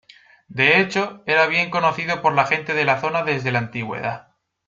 De hecho, era bien conocido por la gente de la zona desde la antigüedad.